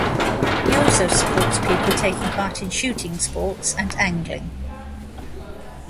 He also supports people taking part in shooting sports and angling.